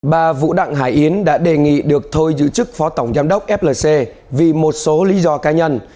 bà vũ đặng hải yến đã đề nghị được thôi giữ chức phó tổng giám đốc flc vì một số lý do cá nhân